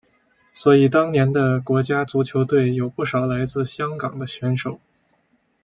所以当年的国家足球队有不少来自香港的选手。